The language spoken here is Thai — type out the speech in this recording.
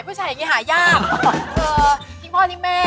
ผู้ชายอย่างนี้หายาก